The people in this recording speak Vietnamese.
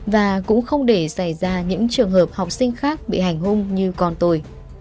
và cũng không để xảy ra những trường hợp học sinh khác bị hành hung như con tôi